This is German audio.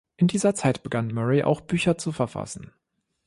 In dieser Zeit begann Murray auch Bücher zu verfassen.